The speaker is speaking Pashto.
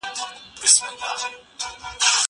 ليکنې د زده کوونکي له خوا کيږي!